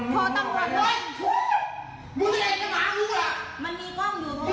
เมื่อวานก็เข้ามาโทรตำรวจด้วยมันมีกล้องดู